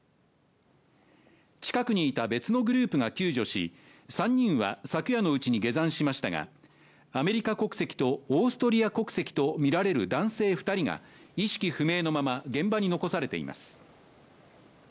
近くにいた別のグループが救助し３人は昨夜のうちに下山しましたがアメリカ国籍とオーストリア国籍とみられる男性二人が意識不明のまま現場に残されています